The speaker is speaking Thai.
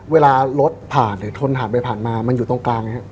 เวลารถผ่านหรือทนหาดไปผ่านมามันอยู่ตรงกลาง